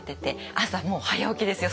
朝もう早起きですよ。